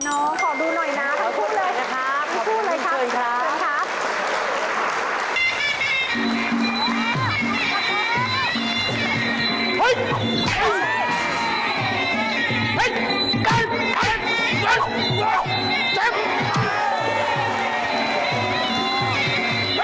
น้องขอดูหน่อยนะพี่พูดเลยนะครับ